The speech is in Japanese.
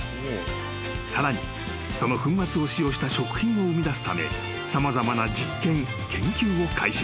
［さらにその粉末を使用した食品を生みだすため様々な実験研究を開始］